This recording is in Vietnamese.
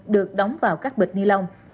được đóng vào các bịch ni lông